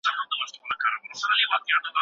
ګټه مې په خپلو دوستانو نه، بلکې په خپل کار ولګوله.